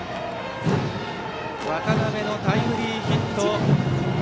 渡辺のタイムリーヒット。